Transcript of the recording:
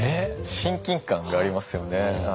親近感がありますよね。